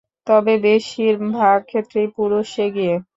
তবে, বেশির ভাগ ক্ষেত্রেই পুরুষ এগিয়ে।